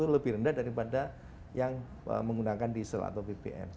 itu lebih rendah daripada yang menggunakan diesel atau bbm